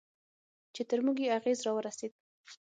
چې تر موږ یې اغېز راورسېد.